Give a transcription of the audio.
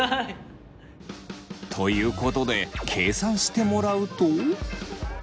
ということで計算してもらうと。